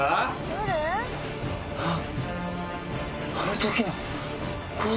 あっ！